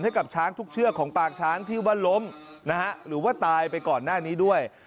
ให้กับช้างทุกเชือกของปางช้างที่ว่าล้มนะฮะหรือว่าตายไปก่อนหน้านี้ด้วย